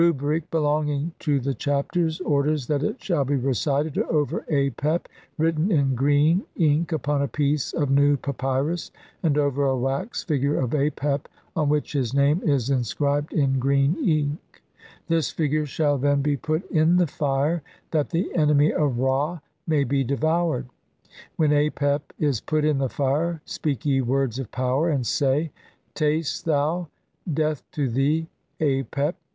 The Rubric belonging to the Chapters orders that it shall be "recited over Apep written in green "ink upon a piece of new papyrus, and over a wax "figure of Apep on which his name is inscribed in "green ink ; this figure shall then be put in the fire "that the enemy of Ra may be devoured. When Apep "is put in the fire speak ye words of power and say, '"Taste thou, 1 death to thee, Apep.